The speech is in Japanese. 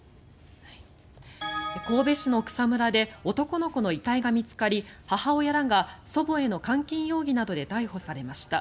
神戸市の草むらで男の子の遺体が見つかり母親らが祖母への監禁容疑などで逮捕されました。